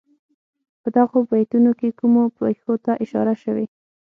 په دغو بیتونو کې کومو پېښو ته اشاره شوې.